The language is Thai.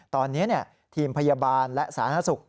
ตอนนี้ทีมพยาบาลและสาธารณสุข